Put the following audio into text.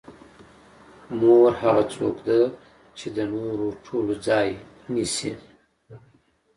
مور هغه څوک ده چې د نورو ټولو ځای نیسي.